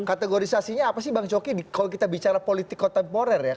kategorisasinya apa sih bang coki kalau kita bicara politik kontemporer ya